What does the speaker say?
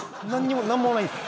何もないです。